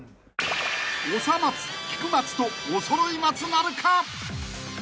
［長松菊松とおそろい松なるか］